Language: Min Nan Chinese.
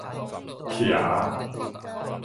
騎